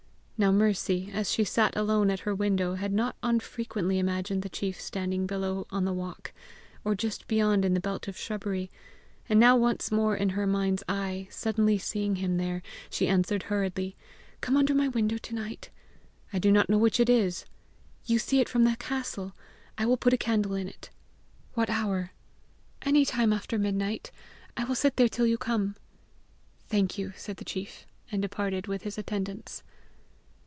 Now Mercy, as she sat alone at her window, had not unfrequently imagined the chief standing below on the walk, or just beyond in the belt of shrubbery; and now once more in her mind's eye suddenly seeing him there, she answered hurriedly, "Come under my window to night." "I do not know which it is." "You see it from the castle. I will put a candle in it." "What hour?" "ANY time after midnight. I will sit there till you come." "Thank you," said the chief, and departed with his attendants.